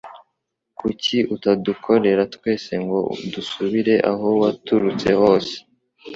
Kuki utadukorera twese ngo dusubire aho waturutse hose?